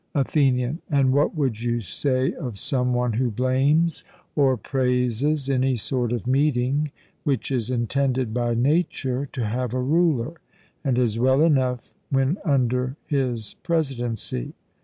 ATHENIAN: And what would you say of some one who blames or praises any sort of meeting which is intended by nature to have a ruler, and is well enough when under his presidency?